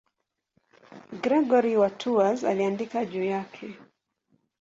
Gregori wa Tours aliandika juu yake.